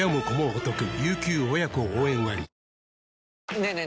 ねえねえ